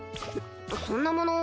そんなもの